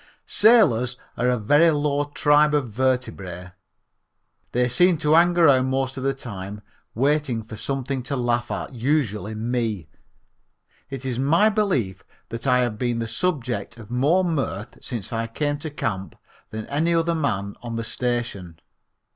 Sailors are a very low tribe of vertebrate. They seem to hang around most of the time waiting for something to laugh at usually me. It is my belief that I have been the subject of more mirth since I came to camp than any other man on the station.